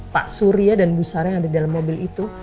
pak surya dan bu sara yang ada di dalam mobil itu